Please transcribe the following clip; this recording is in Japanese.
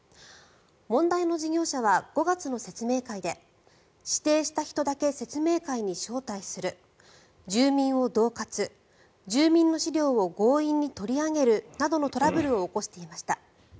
問題の事業者は５月の説明会で指定した人だけ説明会に招待する住民をどう喝住民の資料を強引に取り上げるなどのトラブルを起こしていました。